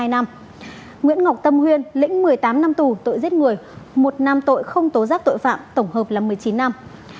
nguyễn ngọc tâm huyên lĩnh một mươi tám năm tù tội giết người một nam tội không tố giác tội phạm tổng hợp là một mươi chín năm